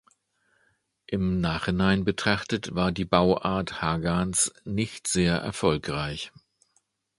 Im Nachhinein betrachtet war die Bauart Hagans nicht sehr erfolgreich.